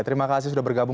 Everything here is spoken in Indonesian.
terima kasih sudah bergabung